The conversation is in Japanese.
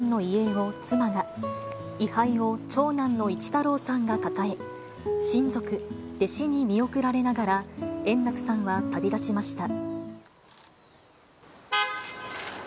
紫色の着物を着た円楽さんの遺影を妻が、位はいを長男の一太郎さんが抱え、親族、弟子に見送られながら、円楽さんは旅立ちました。